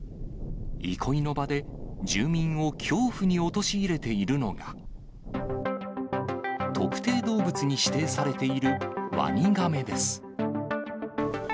憩いの場で、住民を恐怖に陥れているのが、特定動物に指定されているワニガメです。